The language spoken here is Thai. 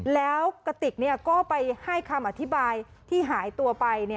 แล้วกระติกก็ไปให้คำอธิบายที่หายตัวไป